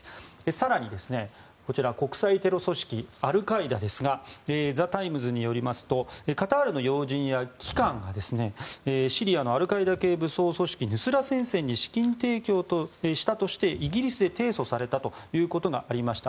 更に、こちら国際テロ組織アルカイダですがザ・タイムズによりますとカタールの要人や機関がシリアのアルカイダ系武装組織ヌスラ戦線に資金提供したとしてイギリスで提訴されたということがありました。